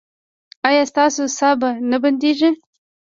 ایا ستاسو ساه به نه بندیږي؟